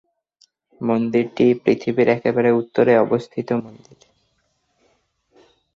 মন্দিরটি পৃথিবীর একেবারে উত্তরে অবস্থিত মন্দির।